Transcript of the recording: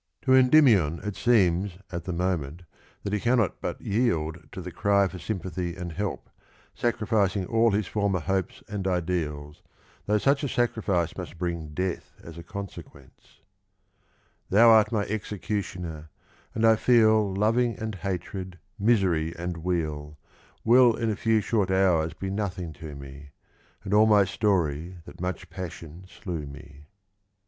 1 Book TTT., liiirs 17" 197: sor pape TiO. 71 To Endymion it seems at the moment that he cannot but yield to the cry for sympathy and help, sacrificing all his former hopes and ideals, though such a sacrifice must bring death as a consequence : Thou art my executioner, and I feel Loving and hatred, misery and weal, Will in a few short hours be nothing to me, And all my story that much passion slew me.